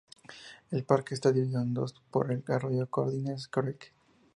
El parque está dividido en dos por el arroyo Codornices Creek.